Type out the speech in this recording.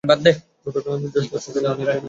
যতক্ষণ আমি জীবিত আছি, চালানের খবর জানা থাকবে।